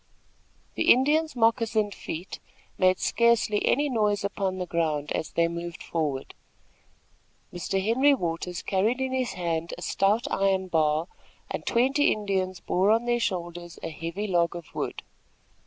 The Indians' moccasined feet made scarcely any noise upon the ground, as they moved forward. Mr. Henry Waters carried in his hand a stout iron bar, and twenty Indians bore on their shoulders a heavy log of wood.